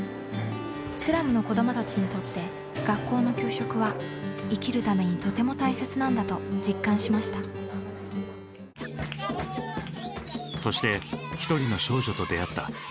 スラムの子どもたちにとって学校の給食は生きるためにとても大切なんだと実感しましたそして一人の少女と出会った。